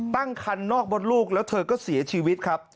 ตั้งคันนอกมดลูกแล้วเธอก็เสียชีวิตครับ